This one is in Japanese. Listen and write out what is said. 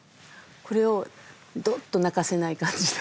これをドッと泣かせない感じで。